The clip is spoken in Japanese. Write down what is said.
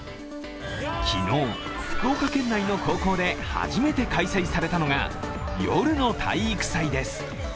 昨日、福岡県内の高校で初めて開催されたのが、夜の体育祭です。